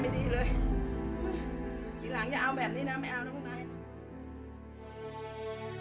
ทีหลังอย่าเอาแบบนี้นะไม่เอานะพวกมาย